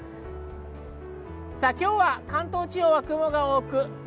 今日は関東地方は雲が多く。